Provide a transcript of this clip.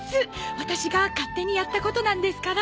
ワタシが勝手にやったことなんですから。